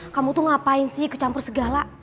kamu tuh ngapain sih kecampur segala